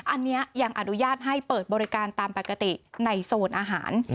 อันนี้ยังอนุญาตให้เปิดบริการตามปกติในโซนอาหาร